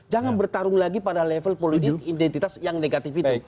jangan bertarung lagi pada level politik identitas yang negatif itu